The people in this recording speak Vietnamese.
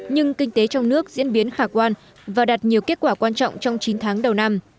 nhưng kinh tế trong nước diễn biến khả quan và đạt nhiều kết quả quan trọng trong chín tháng đầu năm